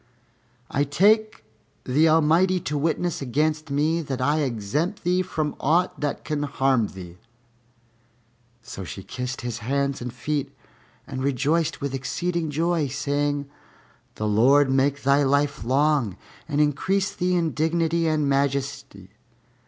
I take the Almighty to witness against me that I exempt thee from aught that can harm thee." So she kissed his hands and feet and rejoiced with exceeding joy, saying, "The Lord make thy life long and increase thee in dignity and majesty!"